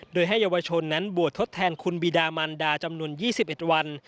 โดยให้เยาวชนนั้นบวชทดแทนคุณบีดามันดาจำนวน๒๑วัน